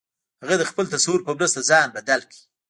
هغه د خپل تصور په مرسته ځان بدل کړ